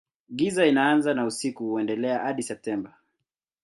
Giza inaanza na usiku huendelea hadi Septemba.